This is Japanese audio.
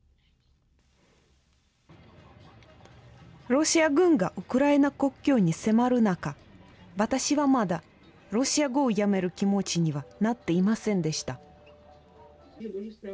ロシア軍がウクライナ国境に迫る中、私はまだロシア語をやめる気持ちにはなっていませんでした。